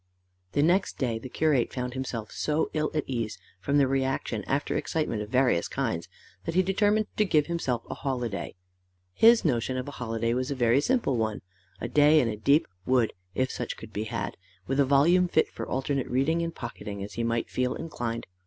The next day the curate found himself so ill at ease, from the reaction after excitement of various kinds, that he determined to give himself a holiday. His notion of a holiday was a very simple one: a day in a deep wood, if such could be had, with a volume fit for alternate reading and pocketing as he might feel inclined.